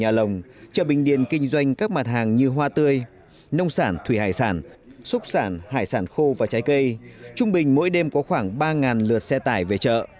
tại chợ bình điền chợ bình điền kinh doanh các mặt hàng như hoa tươi nông sản thủy hải sản súc sản hải sản khô và trái cây trung bình mỗi đêm có khoảng ba lượt xe tải về chợ